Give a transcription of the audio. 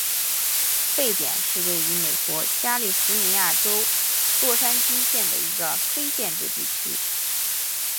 沸点是位于美国加利福尼亚州洛杉矶县的一个非建制地区。